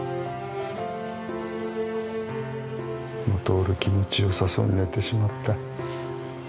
モトール気持ちよさそうに寝てしまった。